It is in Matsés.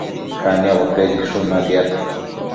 caniabo tedishun natiad